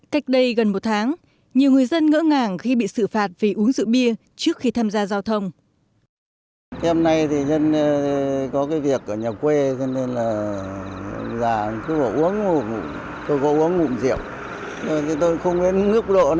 cách đây gần một tháng nhiều người dân ngỡ ngàng khi bị xử phạt vì uống rượu bia trước khi tham gia giao thông